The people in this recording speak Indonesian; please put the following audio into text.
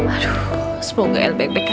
aduh semoga hel baik baik aja ya